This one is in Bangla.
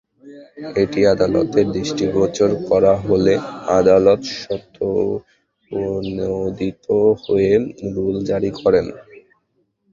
এটি আদালতের দৃষ্টিগোচর করা হলে আদালত স্বতঃপ্রণোদিত হয়ে রুল জারি করেন।